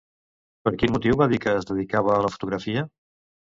Per quin motiu va dir que es dedicava a la fotografia?